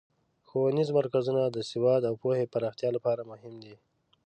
ښوونیز مرکزونه د سواد او پوهې پراختیا لپاره مهم دي.